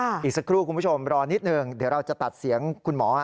อีกสักครู่คุณผู้ชมรอนิดหนึ่งเดี๋ยวเราจะตัดเสียงคุณหมอ